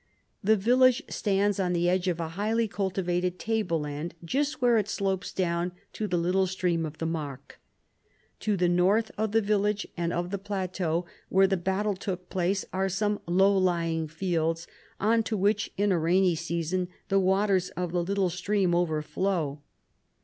The village stands on the edge of a highly cultivated tableland just where it slopes down to the little stream of the Marcq. To the north of the village and of the plateau where the battle took place are some low lying fields on to which in a rainy season the waters of the little stream overflow.